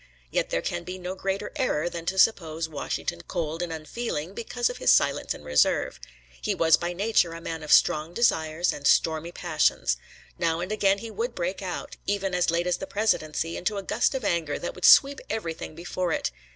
Yet there can be no greater error than to suppose Washington cold and unfeeling, because of his silence and reserve. He was by nature a man of strong desires and stormy passions. Now and again he would break out, even as late as the presidency, into a gust of anger that would sweep everything before it.